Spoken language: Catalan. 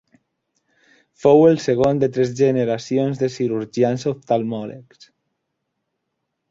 Fou el segon de tres generacions de cirurgians oftalmòlegs.